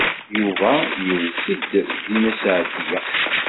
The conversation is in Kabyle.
Yuba iwet-d deg Nna Seɛdiya.